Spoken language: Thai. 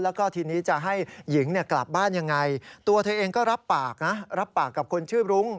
แล้วก็ทีนี้จะให้หญิงกลับบ้านยังไงตัวเธอเองก็รับปากนะรับปากกับคนชื่อรุ้ง